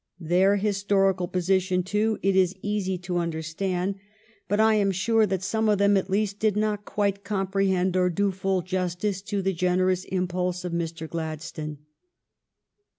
Their historical position, too, it is easy to understand. But I am 422 THE STORV Of GLADSTONE'S LIFE sure that some of them, at least, did not quite comprehend or do full justice to the generous impulse of Mr. Gladstone.